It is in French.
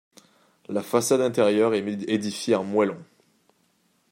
La façade intérieure est édifiée en moellons.